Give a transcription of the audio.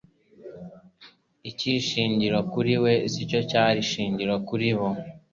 Icy'ishingiro kuri we, si cyo cyari ishingiro kuri bo.